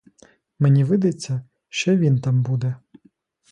Мені видиться, що і він там буде!